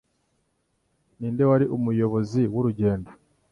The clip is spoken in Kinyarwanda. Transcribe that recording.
Ninde wari umuyobozi wurugendo?